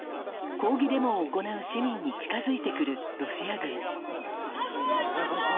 抗議デモを行う市民に近づいてくるロシア軍。